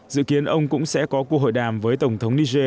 dự kiến ông cũng sẽ có cuộc hội đàm với tổng thống niger